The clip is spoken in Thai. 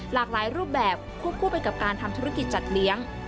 หลากหลายรูปแบบควบคู่ไปกับการทำธุรกิจจัดเลี้ยง